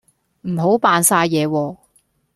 唔好扮晒嘢喎